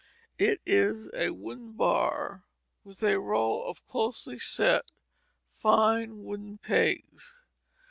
It is a wooden bar with a row of closely set, fine, wooden pegs.